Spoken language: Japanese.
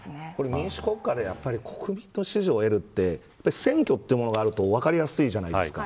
民主国家で国民の支持を得るって選挙というものがあると分かりやすいじゃないですか。